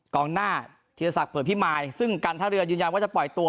กองหน้าธีรศักดิเผื่อพิมายซึ่งการท่าเรือยืนยันว่าจะปล่อยตัว